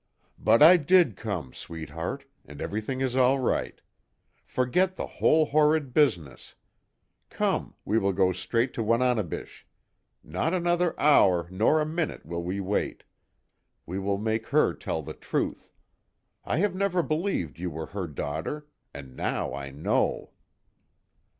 "But, I did come, sweetheart and everything is all right. Forget the whole horrid business. Come, we will go straight to Wananebish. Not another hour, nor a minute will we wait. And we will make her tell the truth. I have never believed you were her daughter and now I know!"